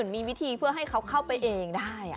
มีวิธีเพื่อให้เขาเข้าไปเองได้